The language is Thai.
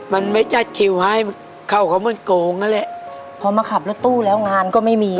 มันไม่จัดคิวให้เข้าเขามันโกงนั่นแหละพอมาขับรถตู้แล้วงานก็ไม่มี